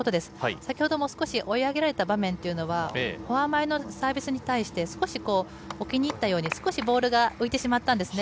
先ほども少し追い上げられた場面というのは、フォア前のサービスに対して、少し置きにいったように、少しボールが浮いてしまったんですね。